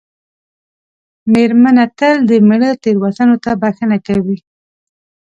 مېرمنه تل د مېړه تېروتنو ته بښنه کوي.